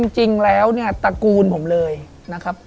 จริงแล้วเนี่ยตระกูลผมเลยนะครับ